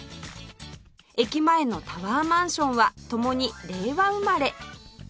駅前のタワーマンションは共に令和生まれ